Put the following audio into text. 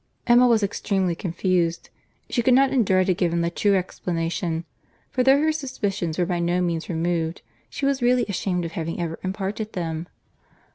Emma was extremely confused. She could not endure to give him the true explanation; for though her suspicions were by no means removed, she was really ashamed of having ever imparted them.